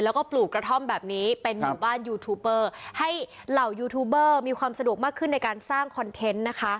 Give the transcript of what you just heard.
แล้วก็ปลูกกระท่อมแบบนี้เป็นหมู่บ้านยูทูเปอร์ให้เหล่ายูทูบเบอร์มีความสะดวกมากขึ้นในการสร้างคอนเทนต์นะคะ